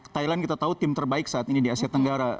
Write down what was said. thailand kita tahu tim terbaik saat ini di asia tenggara